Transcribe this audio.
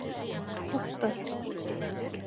— Тупты!